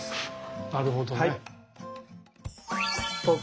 なるほどね。